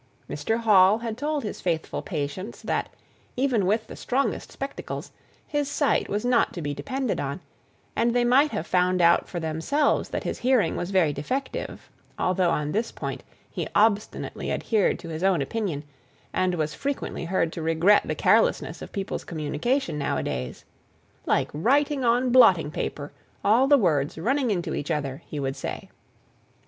Mr. Hall had told his faithful patients that, even with the strongest spectacles, his sight was not to be depended upon; and they might have found out for themselves that his hearing was very defective, although, on this point, he obstinately adhered to his own opinion, and was frequently heard to regret the carelessness of people's communication nowadays, "like writing on blotting paper, all the words running into each other," he would say.